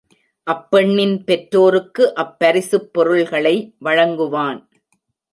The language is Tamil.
அப்பெண்ணின் பெற்றாேருக்கு அப் பரிசுப் பொருள்களை வழங்குவான்.